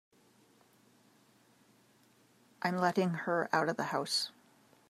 I'm letting her out of the house.